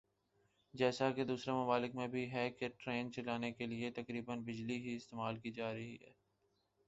جیسا کہ دوسرے ممالک میں بھی ہے کہ ٹرین چلانے کیلئے تقریبا بجلی ہی استعمال کی جارہی ھے